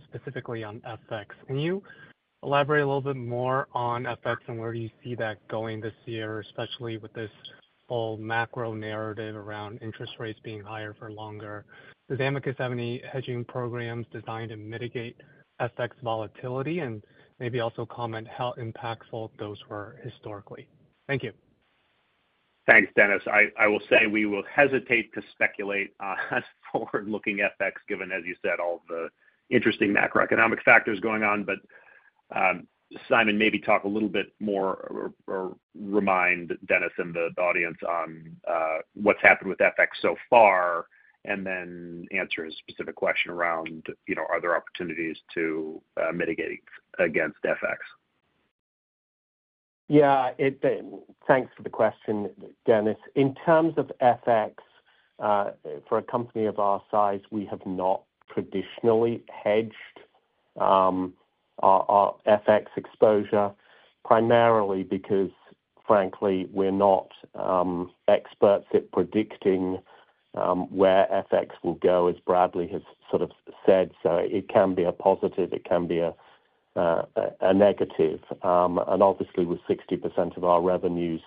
specifically on FX. Can you elaborate a little bit more on FX and where do you see that going this year, especially with this whole macro narrative around interest rates being higher for longer? Does Amicus have any hedging programs designed to mitigate FX volatility, and maybe also comment how impactful those were historically? Thank you. Thanks, Dennis. I will say we will hesitate to speculate forward-looking FX, given, as you said, all the interesting macroeconomic factors going on. But Simon, maybe talk a little bit more or remind Dennis and the audience on what's happened with FX so far, and then answer a specific question around are there opportunities to mitigate against FX? Yeah. Thanks for the question, Dennis. In terms of FX, for a company of our size, we have not traditionally hedged our FX exposure, primarily because, frankly, we're not experts at predicting where FX will go, as Bradley has sort of said. So it can be a positive. It can be a negative. And obviously, with 60% of our revenues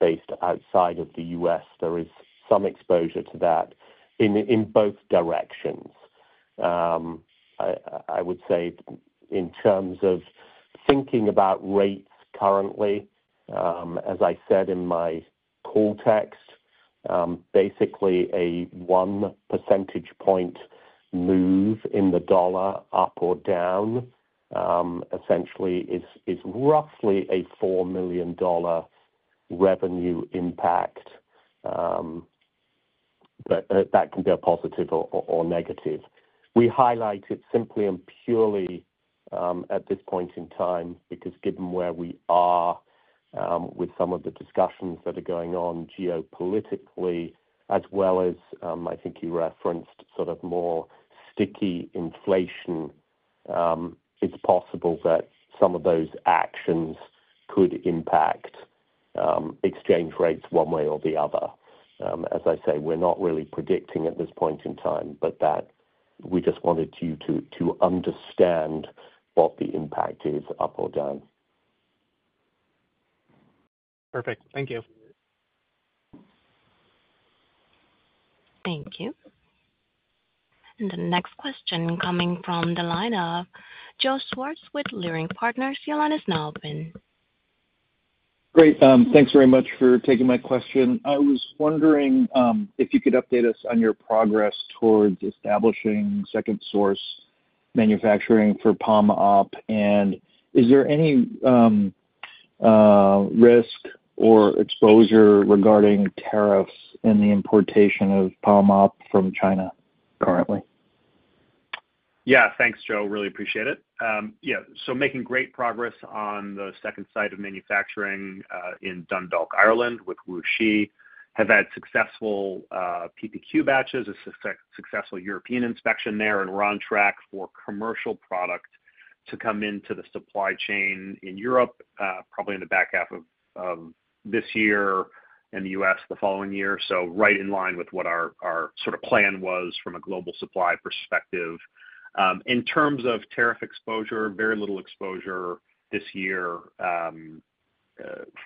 based outside of the U.S., there is some exposure to that in both directions. I would say in terms of thinking about rates currently, as I said in my call text, basically a one percentage point move in the dollar up or down essentially is roughly a $4 million revenue impact. But that can be a positive or negative. We highlight it simply and purely at this point in time because given where we are with some of the discussions that are going on geopolitically, as well as I think you referenced sort of more sticky inflation, it's possible that some of those actions could impact exchange rates one way or the other. As I say, we're not really predicting at this point in time, but we just wanted you to understand what the impact is up or down. Perfect. Thank you. Thank you. And the next question coming from Eliana. Joseph Schwartz with Leerink Partners. Your line is now open. Great. Thanks very much for taking my question. I was wondering if you could update us on your progress towards establishing second source manufacturing for Pombiliti. And is there any risk or exposure regarding tariffs in the importation of Pombiliti from China currently? Yeah. Thanks, Joe. Really appreciate it. Yeah. So making great progress on the second site of manufacturing in Dundalk, Ireland, with WuXi. Have had successful PPQ batches, a successful European inspection there, and we're on track for commercial product to come into the supply chain in Europe probably in the back half of this year and the U.S. the following year. So right in line with what our sort of plan was from a global supply perspective. In terms of tariff exposure, very little exposure this year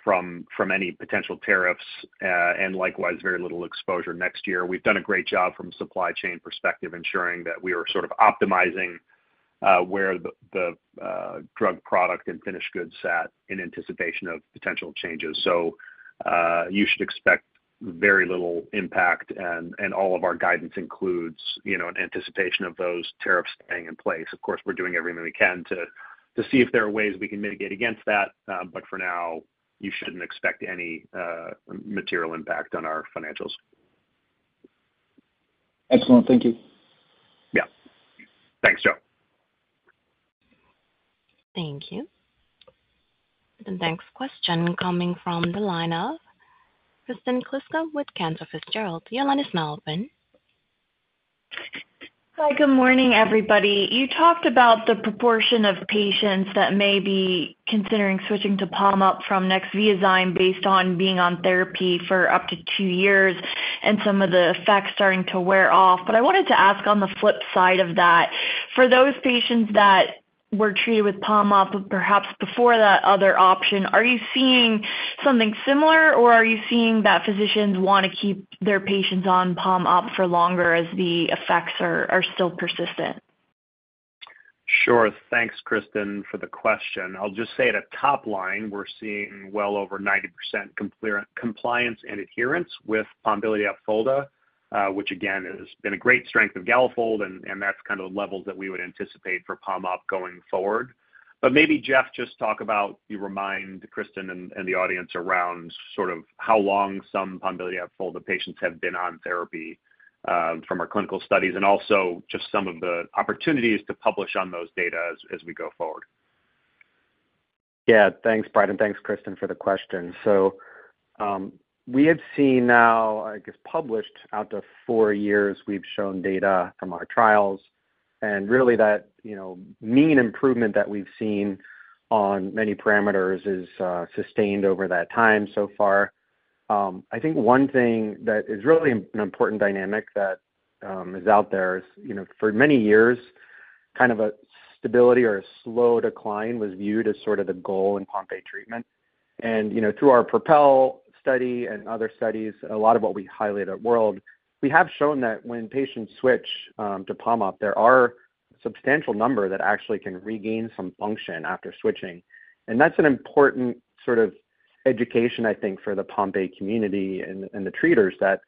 from any potential tariffs, and likewise, very little exposure next year. We've done a great job from a supply chain perspective ensuring that we are sort of optimizing where the drug product and finished goods sat in anticipation of potential changes. So you should expect very little impact. And all of our guidance includes an anticipation of those tariffs staying in place. Of course, we're doing everything we can to see if there are ways we can mitigate against that. But for now, you shouldn't expect any material impact on our financials. Excellent. Thank you. Yeah. Thanks, Joe. Thank you. And the next question coming from the line of Kristen Kluska with Cantor Fitzgerald. Your line is now open. Hi, good morning, everybody. You talked about the proportion of patients that may be considering switching to Pombiliti from Nexviazyme based on being on therapy for up to two years and some of the effects starting to wear off. But I wanted to ask on the flip side of that, for those patients that were treated with Pombiliti perhaps before that other option, are you seeing something similar, or are you seeing that physicians want to keep their patients on Pombiliti for longer as the effects are still persistent? Sure. Thanks, Kristen, for the question. I'll just say at a top line, we're seeing well over 90% compliance and adherence with Pombiliti and Opfolda, which again has been a great strength of Galafold, and that's kind of the levels that we would anticipate for Pom-Op going forward. But maybe Jeff, just talk about, you remind Kristen and the audience around sort of how long some Pombiliti and Opfolda patients have been on therapy from our clinical studies and also just some of the opportunities to publish on those data as we go forward. Yeah. Thanks, Brad. And thanks, Kristen, for the question. So we have seen now, I guess, published out of four years, we've shown data from our trials. And really, that mean improvement that we've seen on many parameters is sustained over that time so far. I think one thing that is really an important dynamic that is out there is for many years, kind of a stability or a slow decline was viewed as sort of the goal in Pompe treatment. And through our PROPEL study and other studies, a lot of what we highlight at World, we have shown that when patients switch to Pombiliti, there are a substantial number that actually can regain some function after switching. That's an important sort of education, I think, for the Pompe community and the treaters that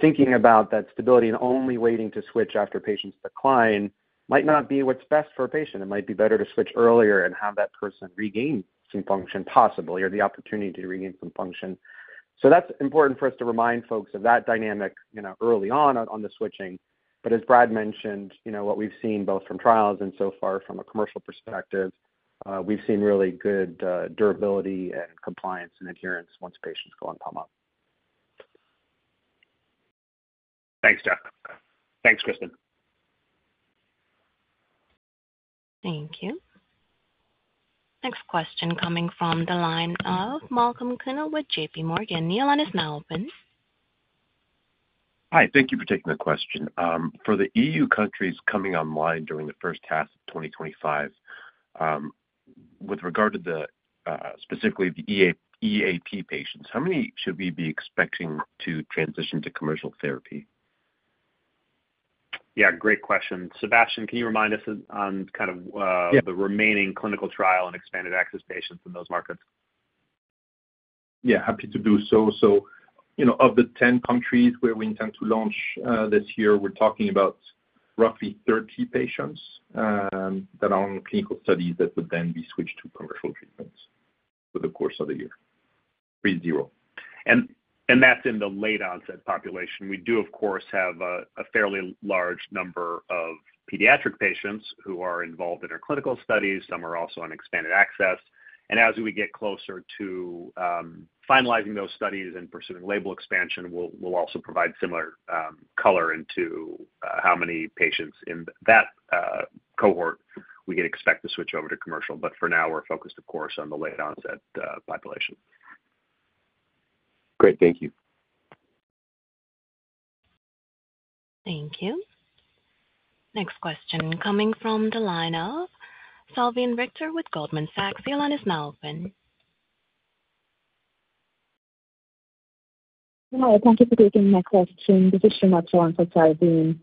thinking about that stability and only waiting to switch after patients decline might not be what's best for a patient. It might be better to switch earlier and have that person regain some function possibly or the opportunity to regain some function. That's important for us to remind folks of that dynamic early on in the switching. But as Brad mentioned, what we've seen both from trials and so far from a commercial perspective, we've seen really good durability and compliance and adherence once patients go on Pombiliti. Thanks, Jeff. Thanks, Kristen. Thank you. Next question coming from the line of Malcolm Kuno with JPMorgan. Your line is now open. Hi. Thank you for taking the question. For the EU countries coming online during the first half of 2025, with regard to specifically the EAP patients, how many should we be expecting to transition to commercial therapy? Yeah. Great question. Sébastien, can you remind us on kind of the remaining clinical trial and expanded access patients in those markets? Yeah. Happy to do so. So of the 10 countries where we intend to launch this year, we're talking about roughly 30 patients that are on clinical studies that would then be switched to commercial treatments for the course of the year. And that's in the late-onset population. We do, of course, have a fairly large number of pediatric patients who are involved in our clinical studies. Some are also on expanded access. And as we get closer to finalizing those studies and pursuing label expansion, we'll also provide similar color into how many patients in that cohort we can expect to switch over to commercial. But for now, we're focused, of course, on the late-onset population. Great. Thank you. Thank you. Next question coming from the line of Salveen Richter with Goldman Sachs. Your line is now open. Hi. Thank you for taking my question. This is Srimathi Sridhar from Salveen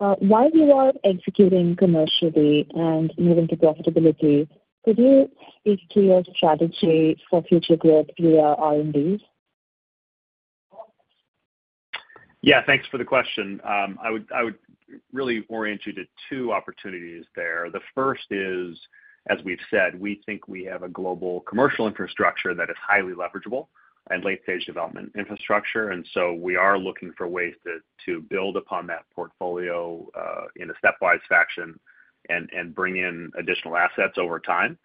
Richter. While you are executing commercially and moving to profitability, could you speak to your strategy for future growth via R&D? Yeah. Thanks for the question. I would really orient you to two opportunities there. The first is, as we've said, we think we have a global commercial infrastructure that is highly leverageable and late-stage development infrastructure. And so we are looking for ways to build upon that portfolio in a stepwise fashion and bring in additional assets over time.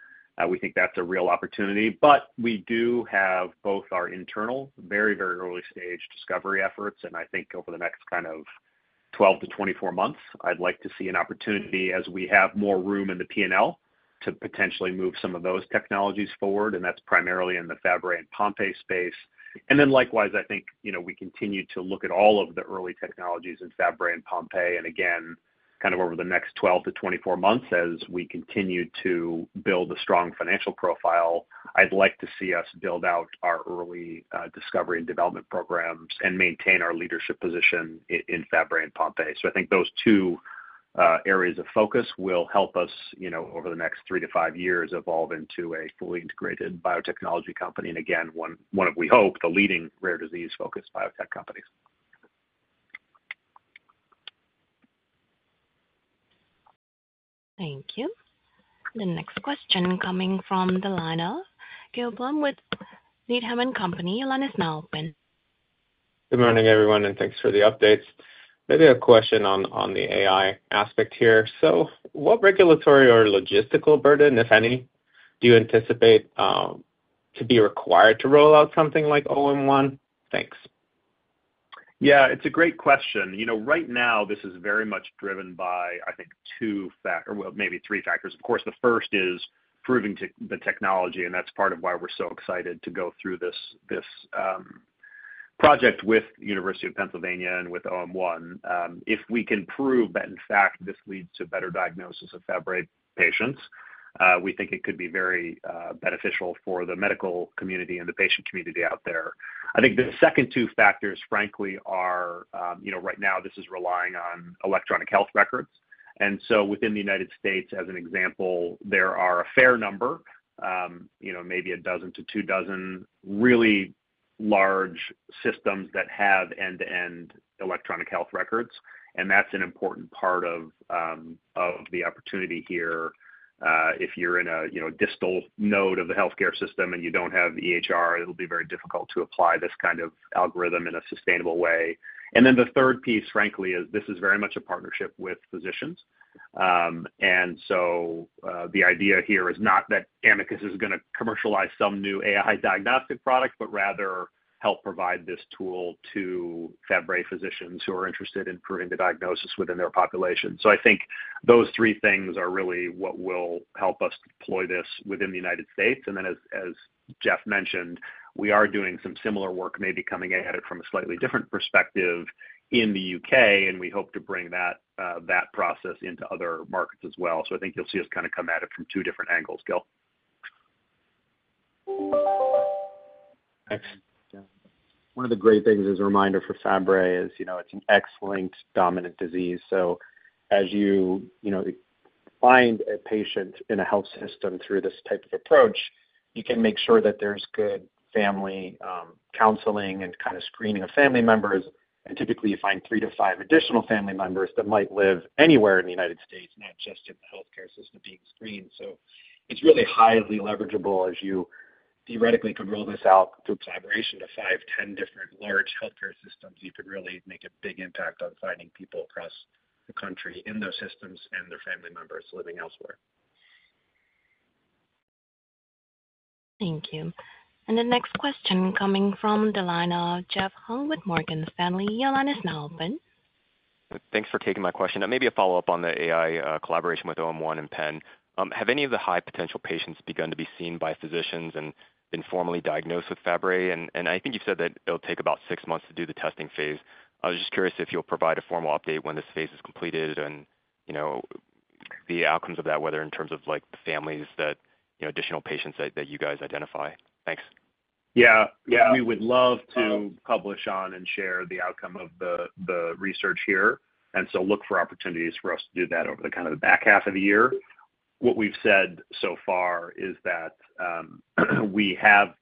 We think that's a real opportunity. But we do have both our internal very, very early-stage discovery efforts. And I think over the next kind of 12 to 24 months, I'd like to see an opportunity as we have more room in the P&L to potentially move some of those technologies forward. And that's primarily in the Fabry and Pompe space. And then likewise, I think we continue to look at all of the early technologies in Fabry and Pompe. Again, kind of over the next 12 to 24 months, as we continue to build a strong financial profile, I'd like to see us build out our early discovery and development programs and maintain our leadership position in Fabry and Pompe. I think those two areas of focus will help us over the next three to five years evolve into a fully integrated biotechnology company and, again, one of, we hope, the leading rare disease-focused biotech companies. Thank you. The next question coming from the line of Gil Blum with Needham & Company. Your line is now open. Good morning, everyone, and thanks for the updates. Maybe a question on the AI aspect here, so what regulatory or logistical burden, if any, do you anticipate to be required to roll out something like OM1? Thanks. Yeah. It's a great question. Right now, this is very much driven by, I think, two or maybe three factors. Of course, the first is proving the technology. And that's part of why we're so excited to go through this project with the University of Pennsylvania and with OM1. If we can prove that, in fact, this leads to better diagnosis of Fabry patients, we think it could be very beneficial for the medical community and the patient community out there. I think the second two factors, frankly, are right now, this is relying on electronic health records. And so within the United States, as an example, there are a fair number, maybe a dozen to two dozen really large systems that have end-to-end electronic health records. And that's an important part of the opportunity here. If you're in a distal node of the healthcare system and you don't have EHR, it'll be very difficult to apply this kind of algorithm in a sustainable way. And then the third piece, frankly, is this is very much a partnership with physicians. And so the idea here is not that Amicus is going to commercialize some new AI diagnostic product, but rather help provide this tool to Fabry physicians who are interested in proving the diagnosis within their population. So I think those three things are really what will help us deploy this within the United States. And then, as Jeff mentioned, we are doing some similar work maybe coming at it from a slightly different perspective in the UK. And we hope to bring that process into other markets as well. So I think you'll see us kind of come at it from two different angles, Gil. Thanks. One of the great things as a reminder for Fabry is it's an X-linked dominant disease. So as you find a patient in a health system through this type of approach, you can make sure that there's good family counseling and kind of screening of family members. And typically, you find three to five additional family members that might live anywhere in the United States, not just in the healthcare system being screened. So it's really highly leverageable as you theoretically could roll this out through collaboration to five, 10 different large healthcare systems. You could really make a big impact on finding people across the country in those systems and their family members living elsewhere. Thank you. And the next question coming from the line of Jeffrey Hung with Morgan Stanley. Your line is now open. Thanks for taking my question. Maybe a follow-up on the AI collaboration with OM1 and Penn. Have any of the high potential patients begun to be seen by physicians and been formally diagnosed with Fabry? And I think you've said that it'll take about six months to do the testing phase. I was just curious if you'll provide a formal update when this phase is completed and the outcomes of that, whether in terms of the families that additional patients that you guys identify. Thanks. Yeah. We would love to publish on and share the outcome of the research here. And so look for opportunities for us to do that over the kind of the back half of the year. What we've said so far is that we have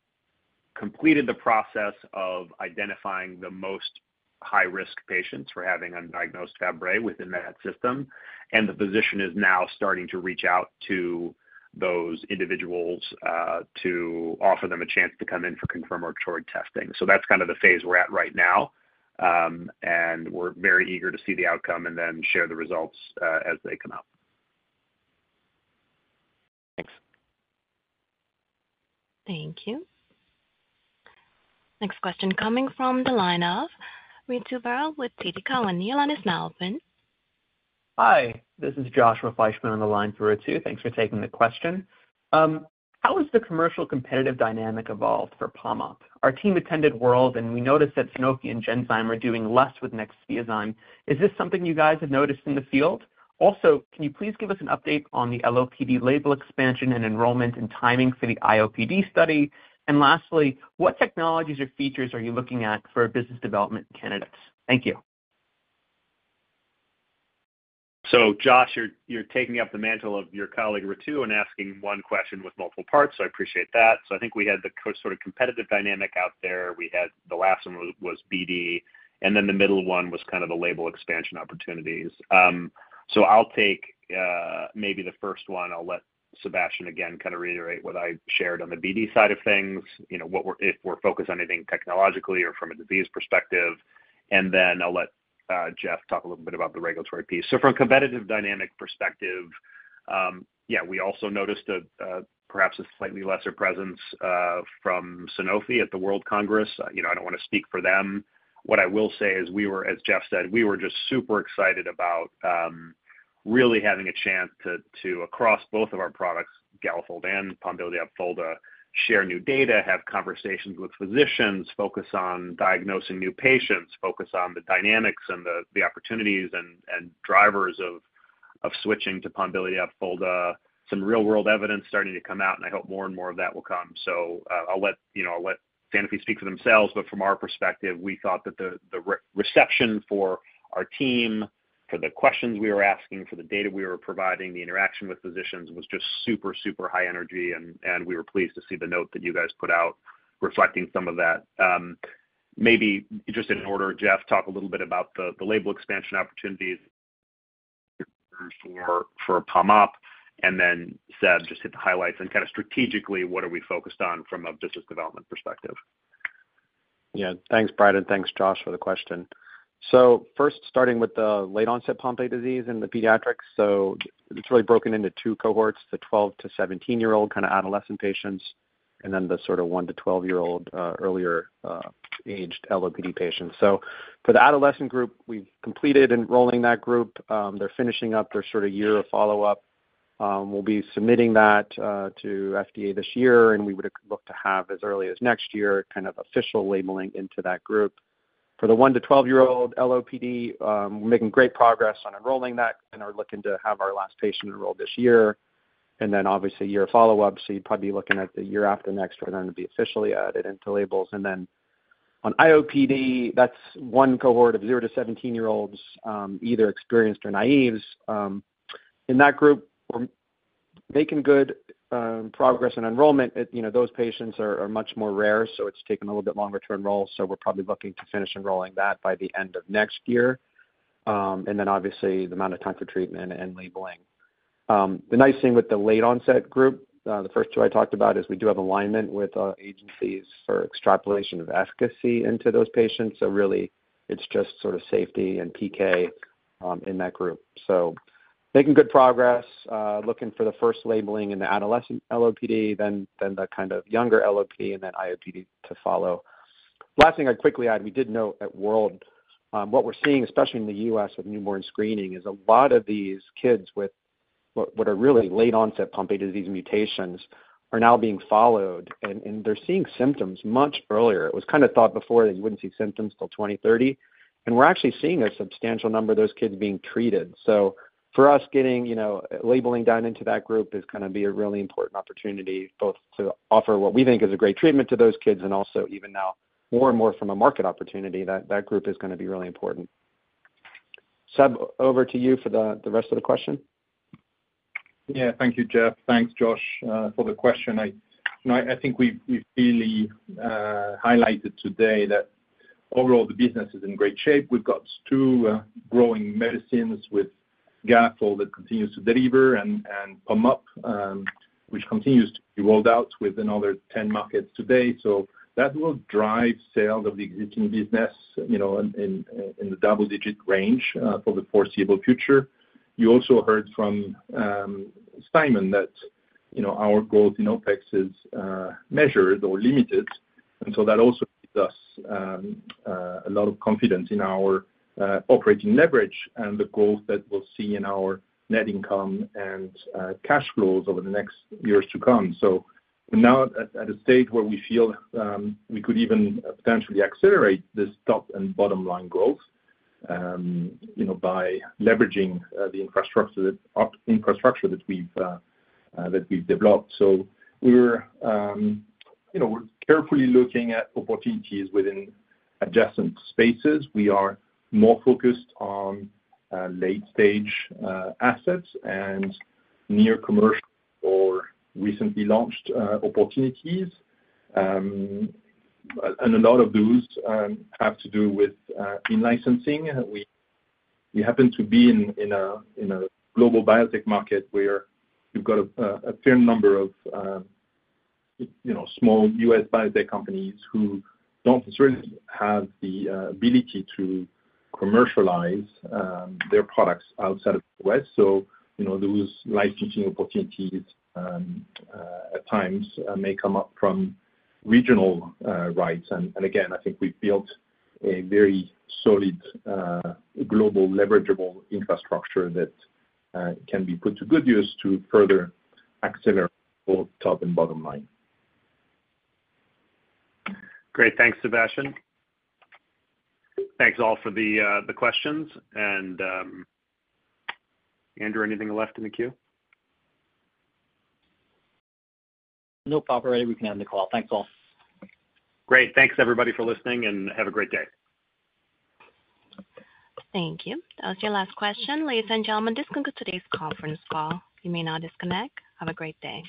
completed the process of identifying the most high-risk patients for having undiagnosed Fabry within that system. And the physician is now starting to reach out to those individuals to offer them a chance to come in for confirmatory testing. So that's kind of the phase we're at right now. And we're very eager to see the outcome and then share the results as they come out. Thanks. Thank you. Next question coming from the line of Ritu Baral with TD Cowen and the line is now open. Hi. This is Joshua Fleishman on the line for Ritu. Thanks for taking the question. How has the commercial competitive dynamic evolved for Pompe? Our team attended the WORLD Symposium, and we noticed that Sanofi and Genzyme are doing less with Nexviazyme. Is this something you guys have noticed in the field? Also, can you please give us an update on the LOPD label expansion and enrollment and timing for the IOPD study? And lastly, what technologies or features are you looking at for business development candidates? Thank you. Josh, you're taking up the mantle of your colleague Ritu and asking one question with multiple parts. I appreciate that. I think we had the sort of competitive dynamic out there. The last one was BD. And then the middle one was kind of the label expansion opportunities. I'll take maybe the first one. I'll let Sebastian, again, kind of reiterate what I shared on the BD side of things, if we're focused on anything technologically or from a disease perspective. And then I'll let Jeff talk a little bit about the regulatory piece. From a competitive dynamic perspective, yeah, we also noticed perhaps a slightly lesser presence from Sanofi at the World Congress. I don't want to speak for them. What I will say is, as Jeff said, we were just super excited about really having a chance to, across both of our products, Galafold and Pombiliti Opfolda, share new data, have conversations with physicians, focus on diagnosing new patients, focus on the dynamics and the opportunities and drivers of switching to Pombiliti Opfolda, some real-world evidence starting to come out, and I hope more and more of that will come, so I'll let Sanofi speak for themselves, but from our perspective, we thought that the reception for our team, for the questions we were asking, for the data we were providing, the interaction with physicians was just super, super high energy, and we were pleased to see the note that you guys put out reflecting some of that, maybe just in order, Jeff, talk a little bit about the label expansion opportunities for Pom-Op. And then Seb, just hit the highlights and kind of strategically, what are we focused on from a business development perspective? Yeah. Thanks, Brad. And thanks, Josh, for the question. So first, starting with the late-onset Pompe disease in the pediatrics. So it's really broken into two cohorts, the 12- to 17-year-old kind of adolescent patients, and then the sort of 1- to 12-year-old earlier-aged LOPD patients. So for the adolescent group, we've completed enrolling that group. They're finishing up their sort of year of follow-up. We'll be submitting that to FDA this year. And we would look to have, as early as next year, kind of official labeling into that group. For the 1- to 12-year-old LOPD, we're making great progress on enrolling that and are looking to have our last patient enrolled this year. And then, obviously, year follow-up. So you'd probably be looking at the year after next for them to be officially added into labels. And then on IOPD, that's one cohort of 0 to 17-year-olds, either experienced or naive. In that group, we're making good progress on enrollment. Those patients are much more rare. So it's taken a little bit longer to enroll. So we're probably looking to finish enrolling that by the end of next year. And then, obviously, the amount of time for treatment and labeling. The nice thing with the late-onset group, the first two I talked about, is we do have alignment with agencies for extrapolation of efficacy into those patients. So really, it's just sort of safety and PK in that group. So making good progress, looking for the first labeling in the adolescent LOPD, then the kind of younger LOPD, and then IOPD to follow. Last thing I'd quickly add, we did note at World, what we're seeing, especially in the U.S. with newborn screening, is a lot of these kids with what are really late-onset Pompe disease mutations are now being followed. And they're seeing symptoms much earlier. It was kind of thought before that you wouldn't see symptoms till 2030. And we're actually seeing a substantial number of those kids being treated. So for us, getting labeling down into that group is going to be a really important opportunity, both to offer what we think is a great treatment to those kids and also even now more and more from a market opportunity, that group is going to be really important. Seb, over to you for the rest of the question. Yeah. Thank you, Jeff. Thanks, Josh, for the question. I think we've clearly highlighted today that overall, the business is in great shape. We've got two growing medicines with Galafold that continues to deliver and Pombiliti, which continues to be rolled out with another 10 markets today. So that will drive sales of the existing business in the double-digit range for the foreseeable future. You also heard from Simon that our goals in OpEx are measured or limited. And so that also gives us a lot of confidence in our operating leverage and the growth that we'll see in our net income and cash flows over the next years to come. So we're now at a stage where we feel we could even potentially accelerate this top and bottom line growth by leveraging the infrastructure that we've developed. So we're carefully looking at opportunities within adjacent spaces. We are more focused on late-stage assets and near-commercial or recently launched opportunities. And a lot of those have to do with in-licensing. We happen to be in a global biotech market where you've got a fair number of small U.S. biotech companies who don't necessarily have the ability to commercialize their products outside of the U.S. So those licensing opportunities at times may come up from regional rights. And again, I think we've built a very solid global leverageable infrastructure that can be put to good use to further accelerate both top and bottom line. Great. Thanks, Sebastian. Thanks all for the questions. And Andrew, anything left in the queue? No pop already. We can end the call. Thanks, all. Great. Thanks, everybody, for listening, and have a great day. Thank you. That was your last question. Ladies and gentlemen, this concludes today's conference call. You may now disconnect. Have a great day.